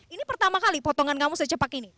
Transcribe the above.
ini pertama kali potongan kamu secepat ini